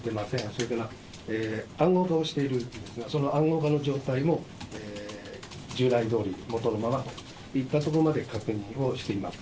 それから、暗号化をしているのですが、その暗号化の状態も従来どおり、元のままといったところまで確認をしております。